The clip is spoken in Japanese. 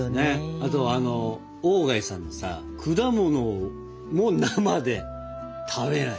あとあの鴎外さんのさ果物も生で食べない。